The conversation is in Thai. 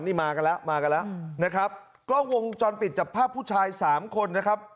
นี่มากันแล้วมากันแล้วนะครับกล้องวงจรปิดจับภาพผู้ชายสามคนนะครับ